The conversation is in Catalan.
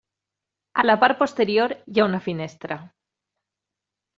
A la part posterior, hi ha una finestra.